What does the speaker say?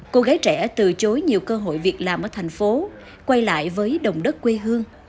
cô gái trẻ từ chối nhiều cơ hội việc làm ở thành phố quay lại với đồng đất quê hương